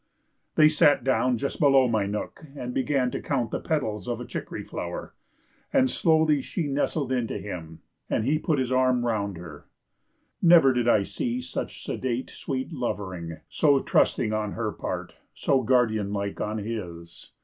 They sat down just below my nook, and began to count the petals of a chicory flower, and slowly she nestled in to him, and he put his arm round her. Never did I see such sedate, sweet lovering, so trusting on her part, so guardianlike on his.